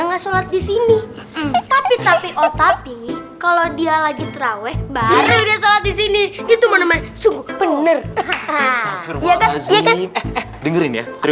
nggak sholat di sini tapi tapi oh tapi kalau dia lagi terawih baru disini itu bener bener